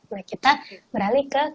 nah kita beralih ke